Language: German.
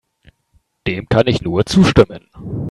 Dem kann ich nur zustimmen.